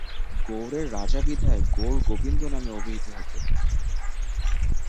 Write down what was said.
গৌড়ের রাজা বিধায় গৌড় গোবিন্দ নামে অভিহিত হত।